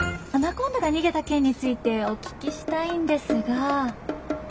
アナコンダが逃げた件についてお聞きしたいんですが。